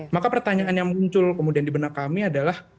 maka pertanyaan yang muncul kemudian di benak kami adalah